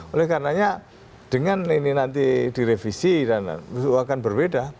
oleh karenanya dengan ini nanti direvisi dan akan berbeda